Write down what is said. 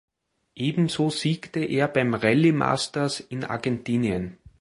Ebenso siegte er beim Rallye-Masters in Argentinien.